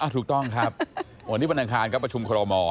ถูกต้องครับวันนี้บรรณาคารก็ประชุมครม